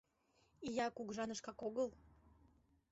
Ия кугыжанышкак огыл?